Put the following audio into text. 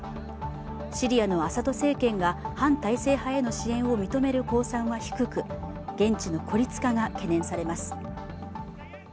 シリアのアサド政権が反体制派への支援を認める公算は低く、現地の孤立化が懸念されます。